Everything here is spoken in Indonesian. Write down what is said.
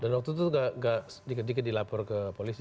dan waktu itu tidak sedikit sedikit dilapor ke polisi